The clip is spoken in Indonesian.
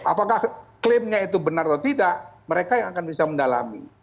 apakah klaimnya itu benar atau tidak mereka yang akan bisa mendalami